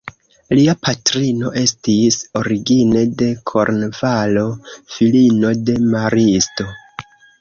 Lia patrino estis origine de Kornvalo, filino de maristo.